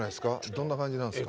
どんな感じなんですか？